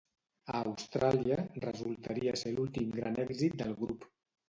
A Austràlia, resultaria ser l'últim gran èxit del grup.